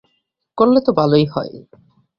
করলে তো ভালই হয়।